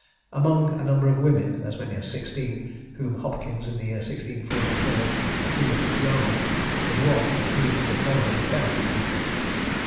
Amongst a number of women (as many as sixteen) whom Hopkins, in the year 1644, accused at Yarmouth, was one, of whom the following account is given.